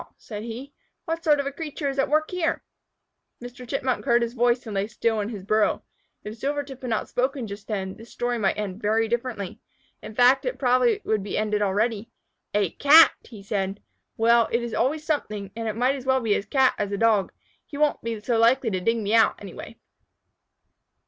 said he. "What sort of creature is at work here?" Mr. Chipmunk heard his voice, and lay still in his burrow. If Silvertip had not spoken just then, this story might end very differently. In fact, it would probably be ended already. "A Cat!" said he. "Well, it is always something, and it might as well be a Cat as a Dog. He won't be so likely to dig me out, anyway."